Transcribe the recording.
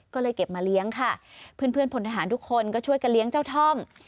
ก็เลยเก็บมาเลี้ยงค่ะเพื่อนพลทหารทุกคนก็ช่วยกันเลี้ยงเจ้าท่อม